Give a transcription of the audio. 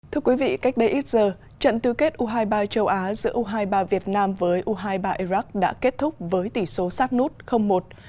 thưa quý vị cách đây ít giờ trận tư kết u hai mươi ba châu á giữa u hai mươi ba việt nam với u hai mươi ba iraq đã kết thúc với tỷ số sát nút một